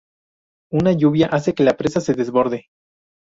Una lluvia hace que la presa se desborde.